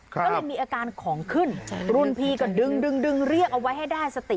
ก็เลยมีอาการของขึ้นรุ่นพี่ก็ดึงดึงเรียกเอาไว้ให้ได้สติ